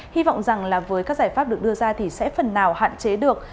hy vọng rằng là với các giải pháp được đưa ra thì sẽ phần nào hạn chế được